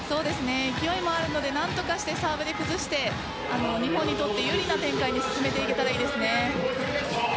勢いもあるので何とかしてサーブで崩して日本にとって有利な展開に進めていけたらいいですね。